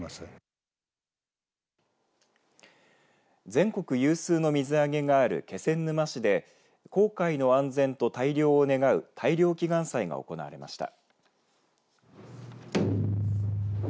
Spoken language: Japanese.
全国有数の水揚げがある気仙沼市で航海の安全と大漁を願う大漁祈願祭が行われました。